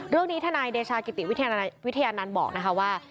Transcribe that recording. เรื่องนี้ทนายเดชากิติวิทยานั้นบอกนะคะว่า